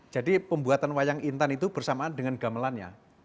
jadi pembuatan wayang intan itu bersamaan dengan gamelannya